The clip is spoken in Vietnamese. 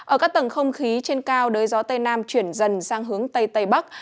ở các tầng không khí trên cao đới gió tây nam chuyển dần sang hướng tây tây bắc